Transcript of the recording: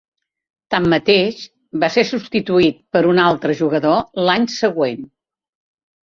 Tanmateix, va ser substituït per un altre jugador l'any següent.